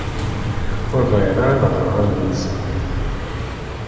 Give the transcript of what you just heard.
Ur bɣiɣ ad ɣreɣ adlis-a.